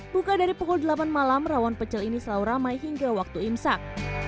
buka dari pukul delapan malam rawon pecel ini selalu ramai hingga waktu imsak